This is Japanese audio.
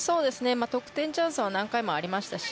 得点チャンスは何回もありましたね。